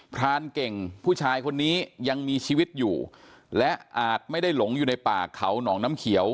พรานเก่งผู้ชายคนนี้ยังมีชีวิตอยู่และอาจไม่ได้หลงอยู่ในป่าเขาหนองน้ำเขียว